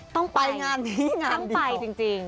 ต้องไปต้องไปจริง